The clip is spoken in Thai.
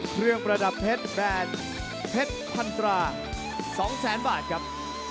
เครื่องประดับเพชรแบรนด์เพชรพันธุ์ภาคมูลค่า๒๐๐๐๐๐๐บาทครับ